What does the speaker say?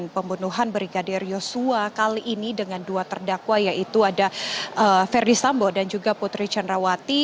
pembunuhan brigadir yosua kali ini dengan dua terdakwa yaitu ada ferdi sampo dan putri chandrawati